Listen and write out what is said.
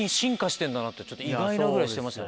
ちょっと意外なぐらいしてました。